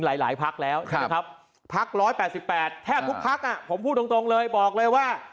หลายพักแล้วนะครับพัก๑๘๘แทบทุกพักผมพูดตรงเลยบอกเลยว่า